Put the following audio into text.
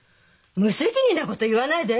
無責任なこと言わないで！